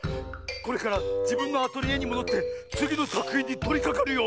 これからじぶんのアトリエにもどってつぎのさくひんにとりかかるよ！